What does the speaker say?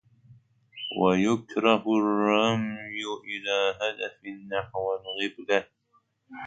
وَيُكْرَهُ الرَّمْيُ إلَى هَدَفٍ نَحْوَ الْقِبْلَةِ